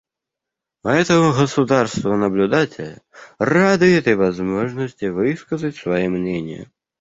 Поэтому государства-наблюдатели рады этой возможности высказать свои мнения.